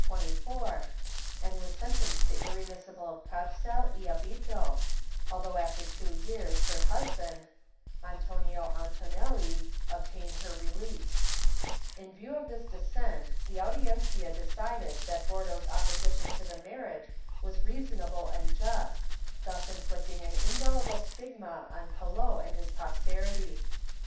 Ill] DISABILITIES 179 Barcelona auto de fe of April 2, 1724, and was sentenced to irre missible ''carcel y abito," though after two years her husband, Antonio Antonelli, obtained her release. In view of this descent the Audiencia decided that Bordo's opposition to the marriage was reasonable and just, thus inflicting an indelible stigma on Calot and his posterity.